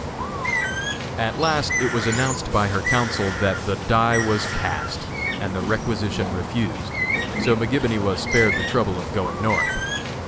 At last it was announced by her counsel that the "die was cast," and the requisition refused; so McGibony was spared the trouble of going North.